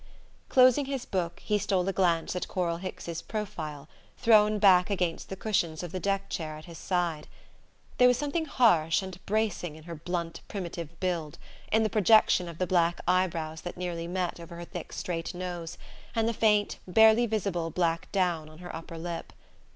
Closing his book he stole a glance at Coral Hicks's profile, thrown back against the cushions of the deck chair at his side. There was something harsh and bracing in her blunt primitive build, in the projection of the black eyebrows that nearly met over her thick straight nose, and the faint barely visible black down on her upper lip.